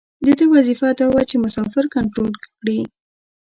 د ده وظیفه دا وه چې مسافر کنترول کړي.